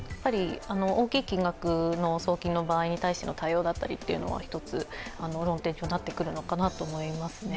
大きい金額の送金の場合に対しての対応だったりというのは一つ、論点になってくるのかなと思いますね。